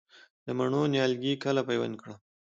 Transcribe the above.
د مڼو نیالګي کله پیوند کړم؟